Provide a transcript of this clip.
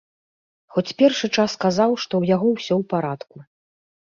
Хоць першы час казаў, што ў яго ўсё ў парадку.